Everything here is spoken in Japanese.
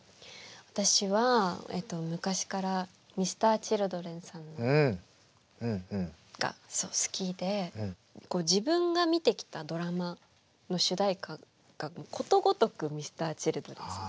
私は昔からＭｒ．Ｃｈｉｌｄｒｅｎさんが好きで自分が見てきたドラマの主題歌がことごとくＭｒ．Ｃｈｉｌｄｒｅｎさん。